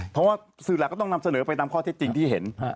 เพราะว่าสื่อหลักก็ต้องนำเสนอไปตามข้อเท็จจริงที่เห็น